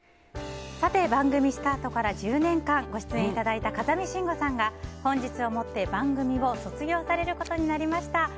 番組スタートから１０年間ご出演いただいた風見しんごさんが本日をもって番組を卒業されることになりました。